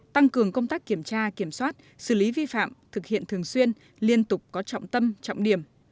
tăng cường công tác kiểm tra kiểm soát xử lý vi phạm thực hiện thường xuyên liên tục có trọng tâm trọng điểm